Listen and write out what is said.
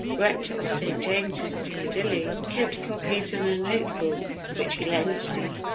_, Rector of St. James's, Piccadilly, kept copies in a note book which he lent me.